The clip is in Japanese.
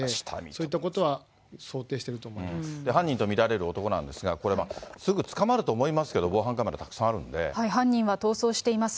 そういったことは想定してると思犯人と見られる男なんですが、これ、すぐ捕まると思いますけれども、防犯カメラたくさんあるん犯人は逃走しています。